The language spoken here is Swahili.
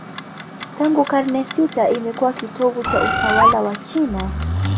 Tangu karne sita imekuwa kitovu cha utawala wa China.